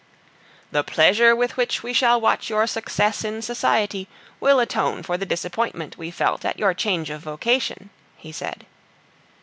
"The pleasure with which we shall watch your success in society will atone for the disappointment we felt at your change of vocation," he said.